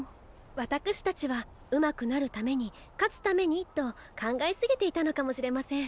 わたくしたちはうまくなるために勝つためにと考えすぎていたのかもしれません。